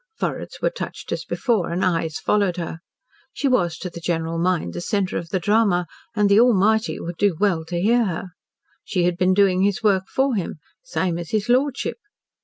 Foreheads were touched as before, and eyes followed her. She was to the general mind the centre of the drama, and "the A'mighty" would do well to hear her. She had been doing his work for him "same as his lordship."